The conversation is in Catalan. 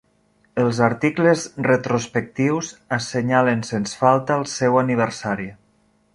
Els articles retrospectius assenyalen sens falta el seu aniversari.